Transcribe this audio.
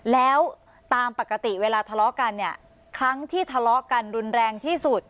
แล้วตามปกติเวลาทะเลาะกันเนี่ยครั้งที่ทะเลาะกันรุนแรงที่สุด